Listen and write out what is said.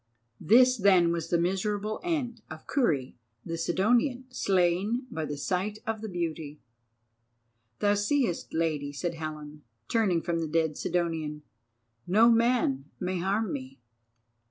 This then was the miserable end of Kurri the Sidonian, slain by the sight of the Beauty. "Thou seest, Lady," said Helen, turning from the dead Sidonian, "no man may harm me."